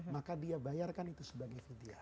maka dia bayarkan itu sebagai vidya